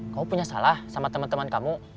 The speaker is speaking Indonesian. kamu punya salah sama teman teman kamu